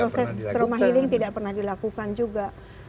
proses trauma healing tidak pernah dilakukan juga